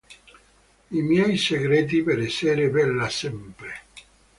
I miei segreti per essere bella sempre".